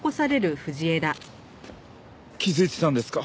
気づいてたんですか？